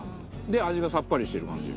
で味がさっぱりしてる感じ。